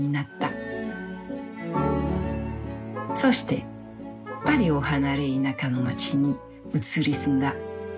そしてパリを離れ田舎の街に移り住んだ。